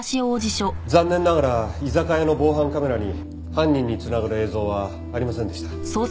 残念ながら居酒屋の防犯カメラに犯人に繋がる映像はありませんでした。